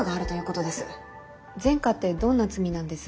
前科ってどんな罪なんです？